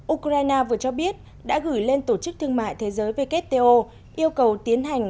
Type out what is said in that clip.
ukraine vừa cho biết đã gửi lên tổ chức thương mại thế giới wto yêu cầu tiến hành